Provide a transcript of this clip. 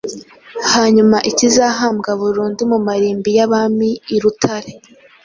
hanyuma ikazahambwa burundu mu marimbi y'abami i Rutare.